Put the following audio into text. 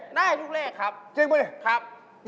หนูเว่งมากเลย